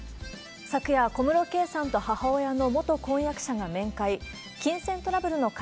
昨夜、小室圭さんと母親の元婚約者が面会。